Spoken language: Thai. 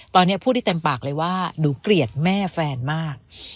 ตอนนี้พูดได้เต็มปากเลยว่าหนูเกลียดแม่แฟนมาก